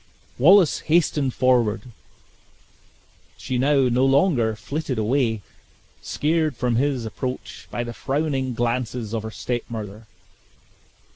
Wallace hastened forward she now no longer flitted away, scared from his approach by the frowning glances of her step mother.